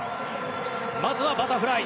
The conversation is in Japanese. まずはバタフライ。